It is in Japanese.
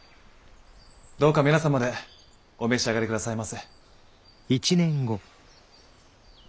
どうか皆様でお召し上がり下さいませ。